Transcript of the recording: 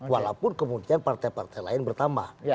walaupun kemudian partai partai lain bertambah